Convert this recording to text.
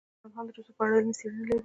افغانستان د رسوب په اړه علمي څېړنې لري.